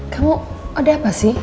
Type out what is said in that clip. kamu ada apa sih